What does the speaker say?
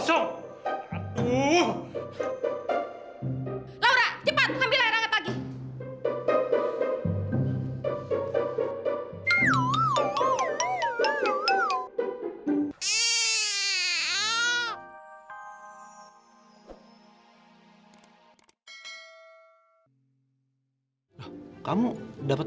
oh tuhan aku takut rangga aku takut